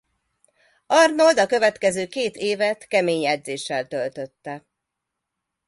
Arnold a következő két évet kemény edzéssel töltötte.